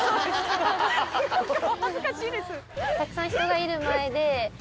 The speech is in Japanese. たくさん人がいる前で。